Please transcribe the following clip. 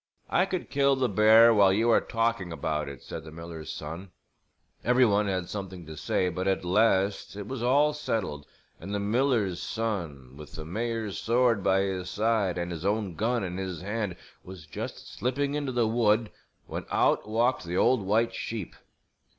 "I could kill the bear while you are talking about it," said the miller's son. Every one had something to say, but at last it was all settled and the miller's son with the mayor's sword by his side and his own gun in his hand was just slipping into the wood when out walked the old white sheep!